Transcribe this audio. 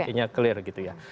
artinya clear gitu ya